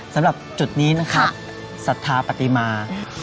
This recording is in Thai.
สำหรับจุดนี้นะครับศรัทธาปฏิมา